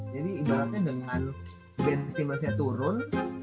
jadi ibaratnya dengan ben simmonsnya turun